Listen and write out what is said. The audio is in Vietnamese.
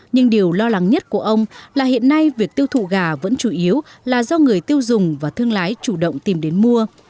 nhưng điều lo lắng nhất của ông là hiện nay việc tiêu thụ gà vẫn chủ yếu là do người tiêu dùng và thương lái chủ động tìm đến mua